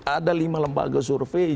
ada lima lembaga survei